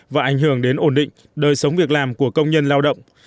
và ảnh hưởng đến ổn định đời sống việc làm của công nhân lao động